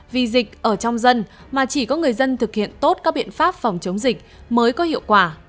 vì dịch ở trong dân mà chỉ có người dân thực hiện tốt các biện pháp phòng chống dịch mới có hiệu quả